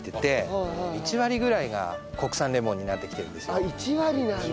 あっ１割なんだ。